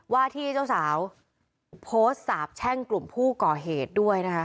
ว่าที่เจ้าสาวโพสต์สาบแช่งกลุ่มผู้ก่อเหตุด้วยนะคะ